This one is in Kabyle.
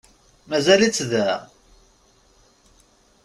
Mazal-itt da?